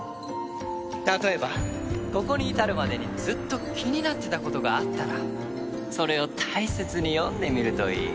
例えばここに至るまでにずっと気になってたことがあったらそれを大切に読んでみるといい。